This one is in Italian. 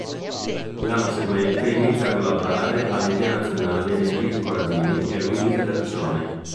L'anno seguente inizia a collaborare a "L'Idea Nazionale" di Enrico Corradini e Luigi Federzoni.